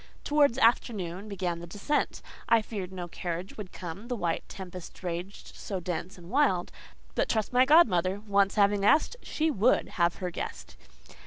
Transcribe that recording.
Towards afternoon began the descent. I feared no carriage would come, the white tempest raged so dense and wild. But trust my godmother! Once having asked, she would have her guest.